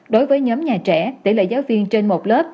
đối với nhóm nhà trẻ tỷ lệ giáo viên trên một lớp